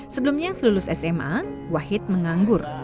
sebelumnya selulus sma wahid menganggur